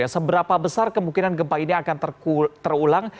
seberapa besar kemungkinan gempa ini akan terulang